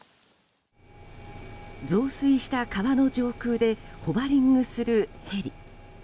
増水した川の上空でホバリングするヘリ。